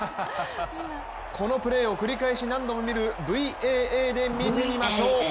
このプレーを繰り返し何度も見るＶＡＡで見てみましょう。